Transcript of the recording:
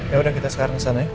ya udah kita sekarang kesana ya